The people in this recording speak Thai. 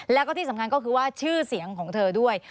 แล้วก็ที่สำคัญก็คือว่าชื่อเสียงของเธอด้วย